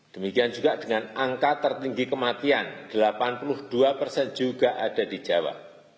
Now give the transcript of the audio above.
demikian juga dengan angka tertinggi kematian delapan puluh dua persen juga ada di jawa